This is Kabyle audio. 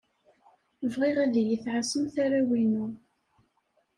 Bɣiɣ ad iyi-tɛassemt arraw-inu.